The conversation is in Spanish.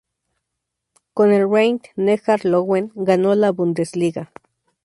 Con el Rhein-Neckar Löwen ganó la Bundesliga.